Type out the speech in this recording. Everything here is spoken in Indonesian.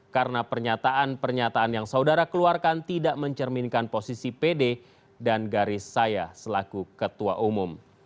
karena pernyataan pernyataan yang saudara keluarkan tidak mencerminkan posisi pd dan garis saya selaku ketua umum